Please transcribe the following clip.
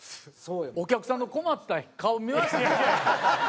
お客さんの困った顔見ました？